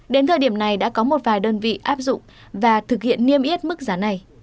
đến thời điểm này đã có một vài đơn vị áp dụng và thực hiện niêm yết mức giá này